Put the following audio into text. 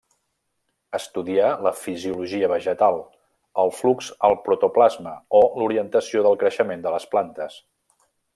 Estudià la fisiologia vegetal, el flux al protoplasma, o l'orientació del creixement de les plantes.